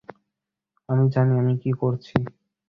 আমি জানি আমি কী করছি।